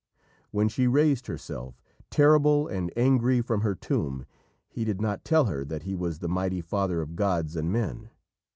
When she raised herself, terrible and angry from her tomb, he did not tell her that he was the mighty father of gods and men.